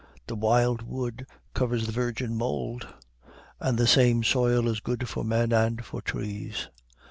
The wild wood covers the virgin mold, and the same soil is good for men and for trees.